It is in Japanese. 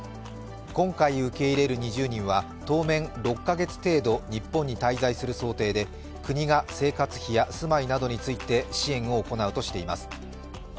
今回受け入れる２０人は当面６カ月程度日本に滞在する想定で国が生活費や住まいなどについて支援を行うとしています。